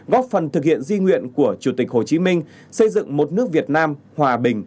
góp phần thực hiện di nguyện của chủ tịch hồ chí minh xây dựng một nước việt nam hòa bình